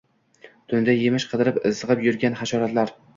Tunda yemish qidirib izg‘ib yurgan hasharotlar